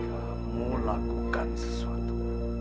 kamu lakukan sesuatu